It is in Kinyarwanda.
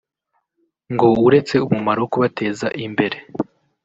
ngo uretse umumaro wo kubateza imbere